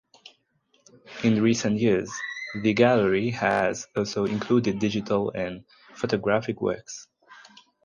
In recent years the gallery has also included digital and photographic works.